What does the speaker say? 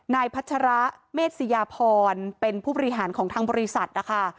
พัชระเมษยาพรเป็นผู้บริหารของทางบริษัทนะคะ